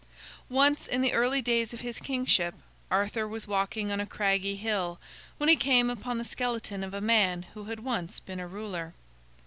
Once, in the early days of his kingship, Arthur was walking on a craggy hill, when he came upon the skeleton of a man who had once been a ruler.